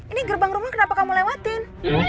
ini gerbang rumah kenapa kamu lewatin